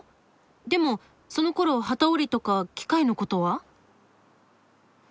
でもそのころ機織りとか機械のことは？